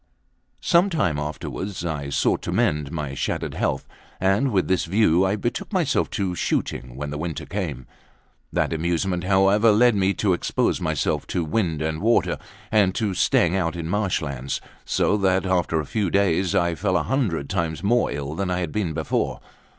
Some time afterwards I sought to mend my shattered health, and with this view I betook myself to shooting when the winter came in. That amusement, however, led me to expose myself to wind and water, and to staying out in marsh lands; so that, after a few days, I fell a hundred times more ill than I had been before.